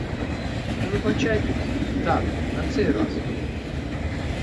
Та вибачайте мені, тату, на цей раз!